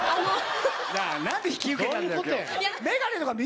何で引き受けたんだよ今日。